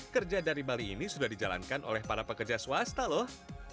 kerja dari bali ini sudah dijalankan oleh para pekerja swasta loh